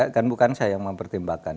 kan bukan saya yang mempertimbangkan